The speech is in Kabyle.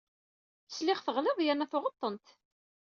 Sliɣ teɣlid yerna tuɣed-tent.